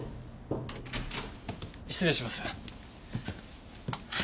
失礼します。